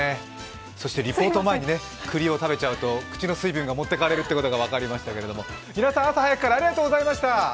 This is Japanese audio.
そして、リポート前に栗を食べちゃうと口の水分を持ってかれるということが分かりましたけど、皆さん、朝早くからありがとうございました。